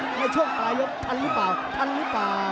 ในช่วงปลายยกทันหรือเปล่าทันหรือเปล่า